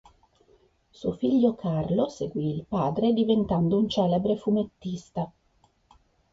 Suo figlio Carlo seguì il padre diventando un celebre fumettista.